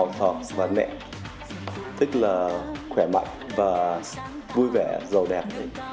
nôn nữ tiếng sáng dịu thì là ảo thọ và nẹ tức là khỏe mạnh và vui vẻ giàu đẹp